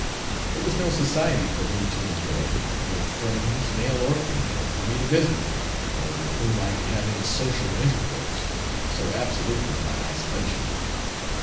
There was no society for me to enjoy no friends, male or female, for me to visit, or with whom I could have any social intercourse, so absolute was my isolation.